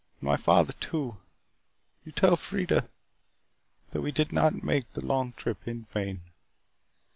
And my father too. You tell Freida that we did not make the long trip in vain."